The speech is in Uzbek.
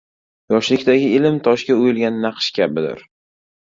• Yoshlikdagi ilm toshga o‘yilgan naqsh kabidir.